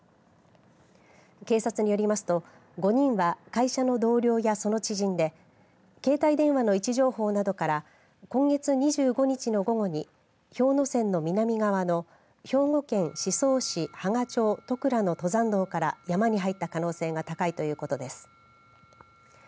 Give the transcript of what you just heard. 警察によりますと５人は会社の同僚や、その知人で携帯電話の位置情報などから今月２５日の午後に氷ノ山の南側の兵庫県宍粟市はが町徳倉の登山道から山に入った可能性が高いということです。